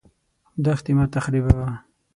دښتې مه تخریبوه.